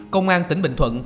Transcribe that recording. công an tỉnh bình thuận